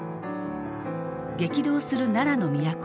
激動する奈良の都。